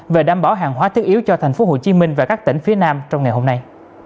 về đảm bảo hàng hóa thiết yếu cho tp hcm và các tỉnh phía nam trong ngày hôm nay